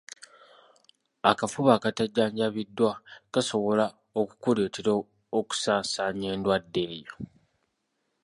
Akafuba akatajjanjabiddwa kasobola okukuleetera okusaasaanya endwadde eyo.